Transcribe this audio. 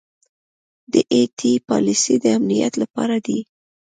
دا ائ ټي پالیسۍ د امنیت لپاره دي.